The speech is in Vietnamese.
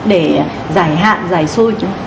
để giải hạn giải xôi